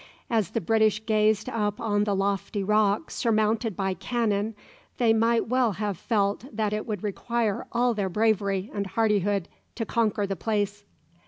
As the British gazed up on the lofty rock surmounted by cannon, they might well have felt that it would require all their bravery and hardihood to conquer the place.